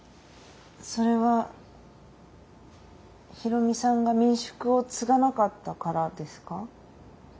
それは大海さんが民宿を継がなかったからですか？